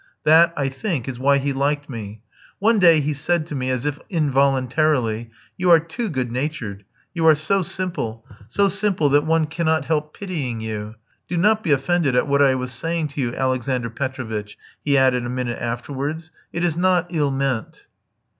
That, I think, is why he liked me. One day he said to me as if involuntarily: "You are too good natured, you are so simple, so simple that one cannot help pitying you. Do not be offended at what I was saying to you, Alexander Petrovitch," he added a minute afterwards, "it is not ill meant."